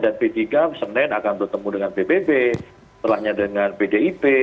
dan p tiga senin akan bertemu dengan pbb setelahnya dengan pdip